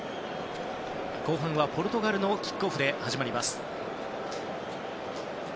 後半はポルトガルのキックオフで始まります。